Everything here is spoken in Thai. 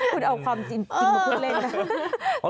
คุณเอาความจริงมาพูดเล่นนะ